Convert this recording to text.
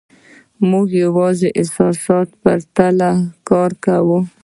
موږ یوازې د احساساتو په تله کار کوو.